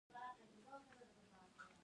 د فراه په بالابلوک کې د وسپنې نښې شته.